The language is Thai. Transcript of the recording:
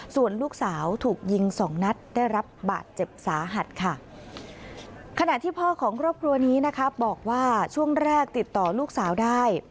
ส่วนลูกสาวถูกยิงสองนัดได้รับบาดเจ็บสาหัสค่ะขณะที่พ่อของครอบครัวนี้นะคะบอกว่าช่วงแรกติดต่อลูกสาวได้